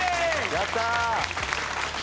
やったー！